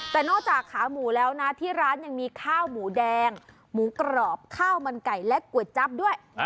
แต่นอกจากขาหมูแล้วนะที่ร้านยังมีข้าวหมูแดงหมูกรอบข้าวมันไก่และก๋วยจั๊บด้วย